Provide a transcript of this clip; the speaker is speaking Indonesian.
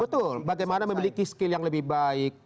betul bagaimana memiliki skill yang lebih baik